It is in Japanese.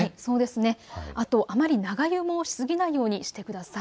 あまり長湯もしすぎないようにしてください。